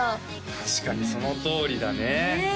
確かにそのとおりだねねえ